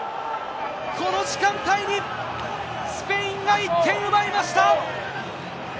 この時間帯に、スペインが１点奪いました。